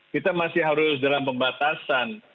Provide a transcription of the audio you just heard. kita masih harus dalam pembatasan